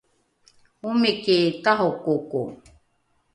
omiki tarokoko